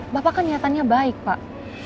bapak kan niatannya baik pak